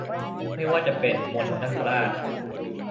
ไม่ว่าจะเป็น มนต์นาคราช